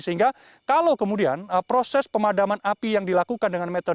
sehingga kalau kemudian proses pemadaman api yang dilakukan dengan metode